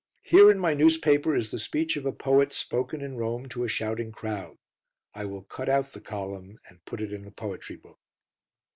Here in my newspaper is the speech of a poet spoken in Rome to a shouting crowd: I will cut out the column and put it in the Poetry Book.